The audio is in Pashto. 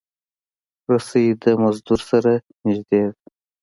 رسۍ د مزدور سره نږدې ده.